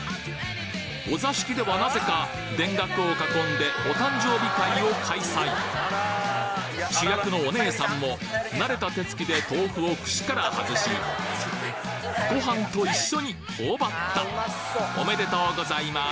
お座敷ではなぜか田楽を囲んでお誕生日会を開催主役のお姉さんも慣れた手つきで豆腐を串から外しごはんと一緒に頬張ったおめでとうございます